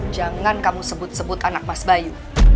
jangan kamu sebut sebut anak mas bayu